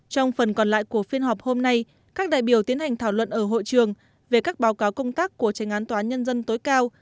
trong phần còn lại của phiên họp hôm nay các đại biểu tiến hành thảo luận ở hội trường về các báo cáo công tác của tranh án tòa án nhân dân tối cao